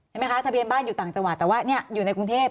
เห็นไหมคะทะเบียนบ้านอยู่ต่างจังหวัดแต่ว่าอยู่ในกรุงเทพ